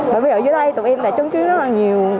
bởi vì ở dưới đây tụi em đã chứng kiến rất là nhiều